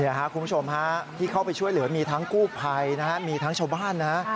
นี่คุณผู้ชมนะครับที่เข้าไปช่วยเหลือมีทั้งกู้ไภมีทั้งชาวบ้าน